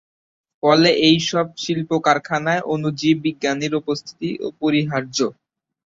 ফলে এই সব শিল্প-কারখানায় অণুজীব বিজ্ঞানীর উপস্থিতি অপরিহার্য।